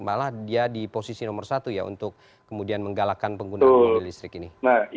malah dia di posisi nomor satu ya untuk kemudian menggalakkan penggunaan mobil listrik ini